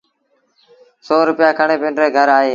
سو روپيآ کڻي پنڊري گھر آئيٚ